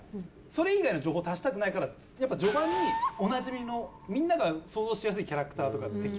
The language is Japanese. それ以外の情報を足したくないからやっぱ序盤におなじみのみんなが想像しやすいキャラクターとか敵キャラ出して。